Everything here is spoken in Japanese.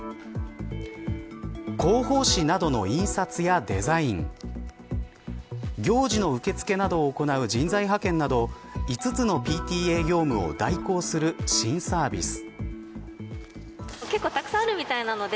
広報誌などの印刷やデザイン行事の受け付けなどを行う人材派遣など５つのＰＴＡ業務を代行する新サービス。